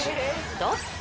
どうぞ。